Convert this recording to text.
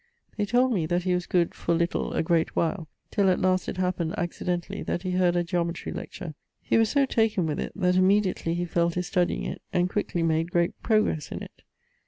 They told me that he was good for little a great while, till at last it happened accidentally, that he heard a Geometrie lecture. He was so taken with it, that immediately he fell to studying it, and quickly made great progresse in it.